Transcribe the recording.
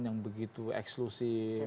yang begitu eksklusif